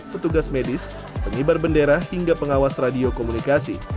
petugas medis pengibar bendera hingga pengawas radio komunikasi